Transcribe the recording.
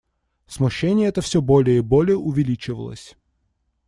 Смущение это всё более и более увеличивалось.